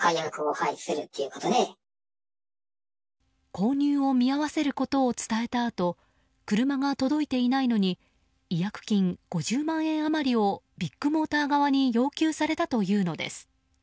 購入を見合わせることを伝えたあと車が届いていないのに違約金５０万円余りをビッグモーター側に要求されたというのです。